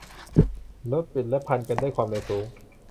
รถบิดและพันกันด้วยความเร็วสูง